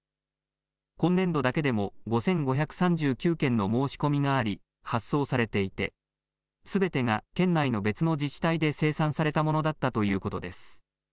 今年度だけでも５５３９件の申し込みがあり発送されていてすべてが県内の別の自治体で生産されたものだったということです。